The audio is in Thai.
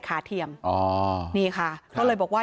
นางมอนก็บอกว่า